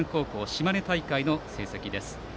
島根大会の成績です。